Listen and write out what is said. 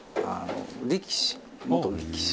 「力士元力士」